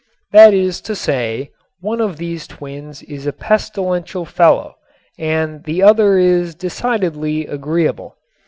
That is to say, one of these twins is a pestilential fellow and the other is decidedly agreeable.